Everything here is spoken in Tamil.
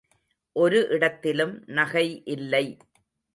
ஒரு இடத்திலும் நகை இல்லை.